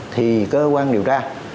thì cơ quan điều tra